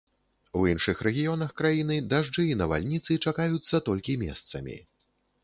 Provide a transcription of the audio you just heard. У іншых рэгіёнах краіны дажджы і навальніцы чакаюцца толькі месцамі.